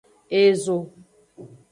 Ezo.